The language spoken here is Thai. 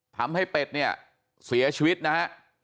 ทำให้เป็ดเสียชีวิตนะฮะ